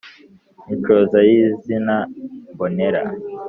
Inshoza yi zina mbonera